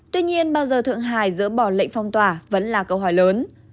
tuy nhiên bao giờ thượng hải dỡ bỏ lệnh phong tỏa vẫn là câu hỏi lớn